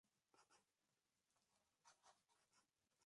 No va a deslumbrar con el mismo índice de audiencia espectacular.